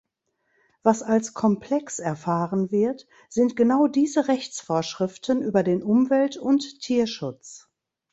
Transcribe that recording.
Was als komplex erfahren wird, sind genau diese Rechtsvorschriften über den Umwelt- und Tierschutz.